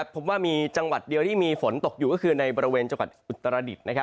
พบว่ามีจังหวัดเดียวที่มีฝนตกอยู่ก็คือในบริเวณจังหวัดอุตรดิษฐ์